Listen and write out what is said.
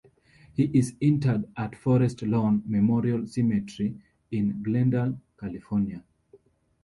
He is interred at Forest Lawn Memorial Cemetery in Glendale, California.